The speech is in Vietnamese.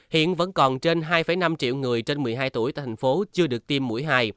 hiện vẫn còn trên hai năm triệu người trên một mươi hai tuổi tại thành phố chưa được tiêm mũi hai